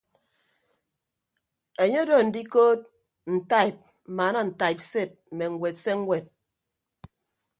Enye odo andikood ntaib mmaana ntaibsed mme ñwed se ñwed.